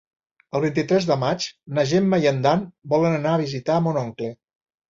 El vint-i-tres de maig na Gemma i en Dan volen anar a visitar mon oncle.